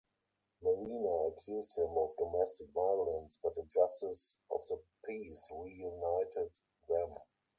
Marina accused him of domestic violence, but a justice of the peace reunited them.